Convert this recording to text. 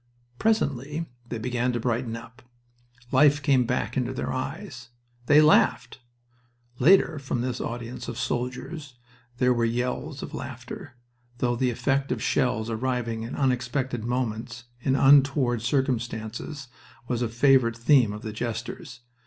Presently they began to brighten up. Life came back into their eyes. They laughed!... Later, from this audience of soldiers there were yells of laughter, though the effect of shells arriving at unexpected moments, in untoward circumstances, was a favorite theme of the jesters.